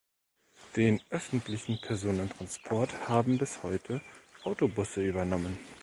Den öffentlichen Personentransport haben bis heute Autobusse übernommen.